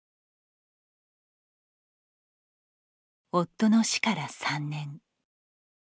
夫の死から３年。